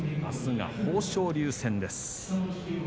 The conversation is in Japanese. あすは豊昇龍戦です。